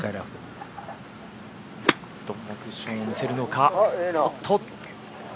どんなクッションを見せるのか。